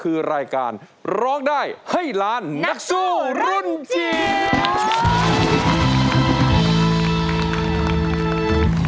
คือรายการร้องได้ให้ล้านนักสู้รุ่นจิ๋ว